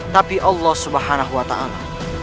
tapi allah subhanahu wa ta'ala